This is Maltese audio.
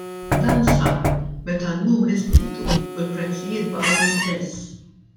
Dan sar meta n-numri żdiedu u l-prezzijiet baqgħu l-istess.